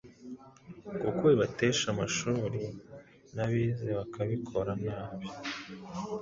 kuko bibatesha amashuri n’abize bakabikora nabi.